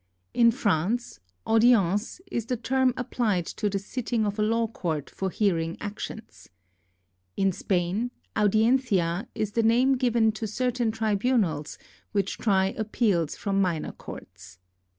In France, audience is the term applied to the sitting of a law court for hearing actions. In Spain, audiencia is the name given to certain tribunals which try appeals from minor courts.